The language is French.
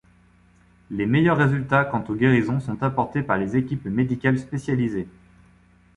Les meilleurs résultats quant aux guérisons sont apportés par les équipes médicales spécialisées.